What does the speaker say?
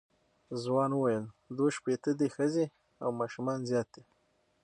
ځوان وویل دوه شپېته دي ښځې او ماشومان زیات دي.